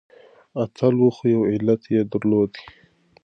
اتل و خو يو علت يې درلودی .